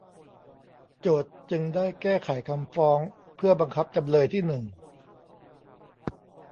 โจทก์จึงได้แก้ไขคำฟ้องเพื่อบังคับจำเลยที่หนึ่ง